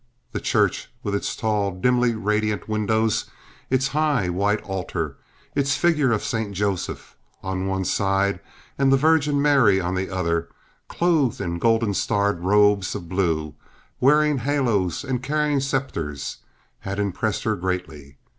The church, with its tall, dimly radiant windows, its high, white altar, its figure of St. Joseph on one side and the Virgin Mary on the other, clothed in golden starred robes of blue, wearing haloes and carrying scepters, had impressed her greatly.